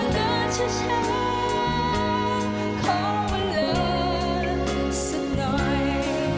อยากให้เวลาเกิดเฉย